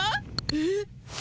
えっ？